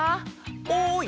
おい！